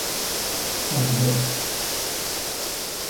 ใช่ ฉันพูดเร็ว